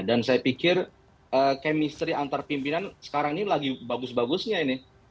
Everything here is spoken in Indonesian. dan saya pikir kemistri antar pimpinan sekarang ini lagi bagus bagusnya ini